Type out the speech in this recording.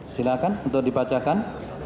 silakan untuk dibacakan